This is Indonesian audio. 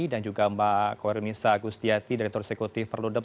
dan juga mbak kwerimisa agustiati direktur eksekutif perludem